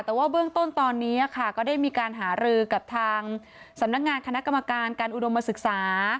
แต่ว่าเบื้องต้นตอนนี้ค่ะก็ได้มีการหารือกับทางสำนักงานคณะกรรมการการอุดมศึกษา